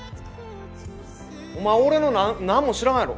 お前俺の何も知らんやろ！